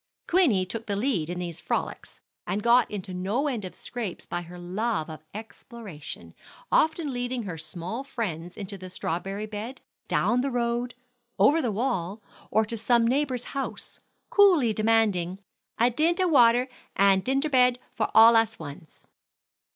Queenie took the lead in these frolics, and got into no end of scrapes by her love of exploration, often leading her small friends into the strawberry bed, down the road, over the wall, or to some neighbor's house, coolly demanding "a dint a water and dingerbed for all us ones."